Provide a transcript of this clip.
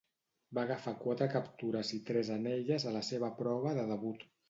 Va agafar quatre captures i tres anelles a la seva prova de debut.